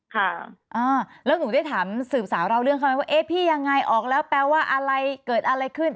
ค่ะอ่าแล้วหนูได้ถามสืบสาวเล่าเรื่องเขาไหมว่าเอ๊ะพี่ยังไงออกแล้วแปลว่าอะไรเกิดอะไรขึ้น